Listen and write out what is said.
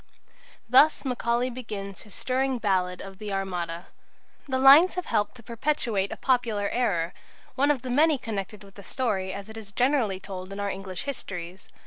Thus Macaulay begins his stirring ballad of the Armada. The lines have helped to perpetuate a popular error one of the many connected with the story as it is generally told in our English histories.